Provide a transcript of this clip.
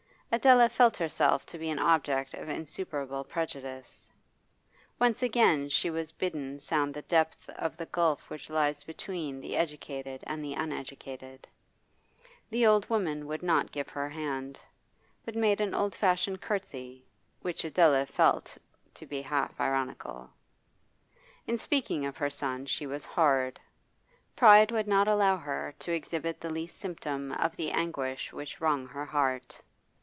Adela felt herself to be an object of insuperable prejudice. Once again she was bidden sound the depth of the gulf which lies between the educated and the uneducated. The old woman would not give her hand, but made an old fashioned curtsey, which Adela felt to be half ironical. In speaking of her son she was hard. Pride would not allow her to exhibit the least symptom of the anguish which wrung her heart.